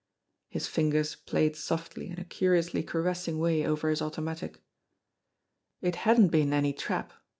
His fingers played softly in a curiously caressing way over his automatic. It hadn't been any trap.